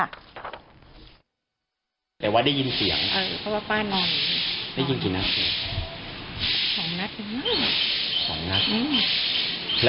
รถก็จอดไว้อย่างนั้น๔วันจอดไว้